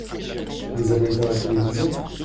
Vous avez éteint la télévision ?